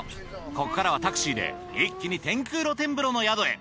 ここからはタクシーで一気に天空露天風呂の宿へ。